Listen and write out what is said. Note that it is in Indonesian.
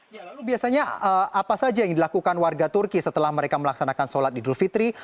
ya lalu biasanya apa saja yang dilakukan warga turki setelah mereka melaksanakan sholat idul fitri